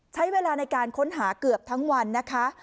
ใช้เวลาในการค้นหาเกือบทั้งวันนะคะ